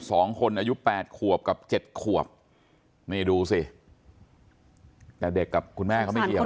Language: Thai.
สองคนอายุแปดขวบกับเจ็ดขวบนี่ดูสิแต่เด็กกับคุณแม่เขาไม่เกี่ยว